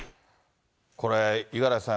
これ、五十嵐さん